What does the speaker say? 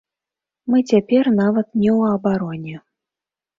Мы цяпер нават не ў абароне.